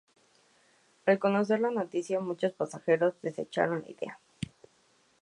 Al conocer la noticia, muchos pasajeros desecharon la idea.